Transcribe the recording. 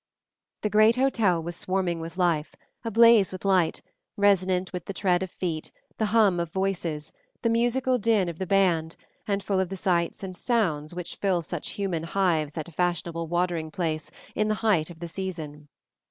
The great hotel was swarming with life, ablaze with light, resonant with the tread of feet, the hum of voices, the musical din of the band, and full of the sights and sounds which fill such human hives at a fashionable watering place in the height of the season.